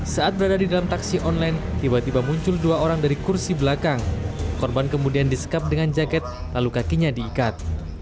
saat berada di dalam taksi online tiba tiba muncul dua orang dari kursi belakang korban kemudian disekap dengan jaket lalu kakinya diikat